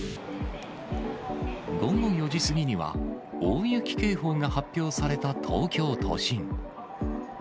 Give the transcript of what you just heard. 午後４時過ぎには、大雪警報が発表された東京都心。